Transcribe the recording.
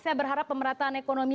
saya berharap pemerataan ekonomi